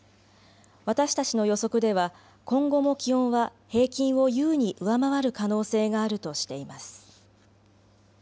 私たちの予測では今後も気温は平均を優に上回る可能性があるとしています。